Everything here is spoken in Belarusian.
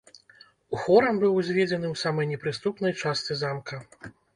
Хорам быў узведзены ў самай непрыступнай частцы замка.